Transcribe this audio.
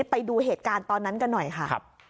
ไปดูเหตุการณ์ตอนนั้นกันหน่อยค่ะ